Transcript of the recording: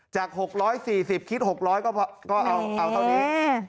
จาก๖๔๐คิด๖๐๐ก็เอาเท่านี้